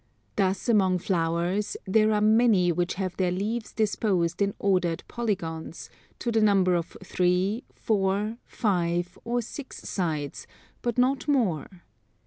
Thus among flowers there are many which have their leaves disposed in ordered polygons, to the number of 3, 4, 5, or 6 sides, but not more.